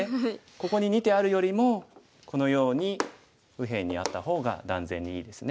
ここに２手あるよりもこのように右辺にあった方が断然にいいですね。